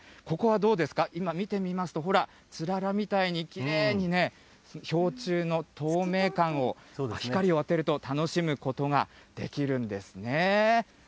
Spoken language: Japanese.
ここはどうですか、今、見てみますと、ほら、つららみたいにきれいにね、氷柱の透明感を、光を当てると楽しむことができるんですね。